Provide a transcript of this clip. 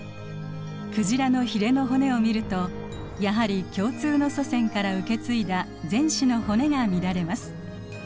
クジラのヒレの骨を見るとやはり共通の祖先から受け継いだ前肢の骨が見られます。